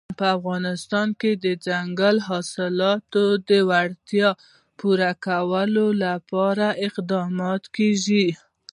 په افغانستان کې د دځنګل حاصلات د اړتیاوو پوره کولو لپاره اقدامات کېږي.